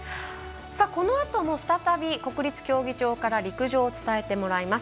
このあとも、再び国立競技場から陸上を伝えてもらいます。